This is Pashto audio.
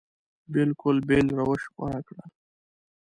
بلکل بېل روش غوره کړ.